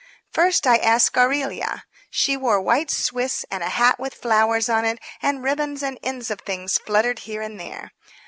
First, I asked Aurelia. She wore white Swiss and a hat with flowers on it, and ribbons and ends of things fluttered here and there.